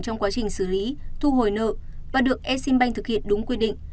trong quá trình xử lý thu hồi nợ và được exim bank thực hiện đúng quy định